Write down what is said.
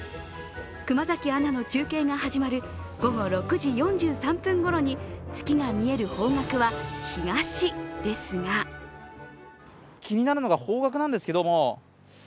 熊崎アナの中継が始まる午後６時４３分ごろに月が見える方角は東ですが気になるのが方角なんですけど。